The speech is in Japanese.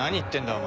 お前。